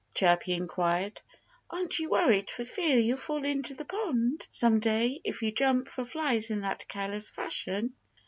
Chirpy inquired. "Aren't you worried for fear you'll fall into the pond some day, if you jump for flies in that careless fashion?"